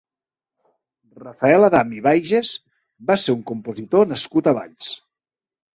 Rafael Adam i Baiges va ser un compositor nascut a Valls.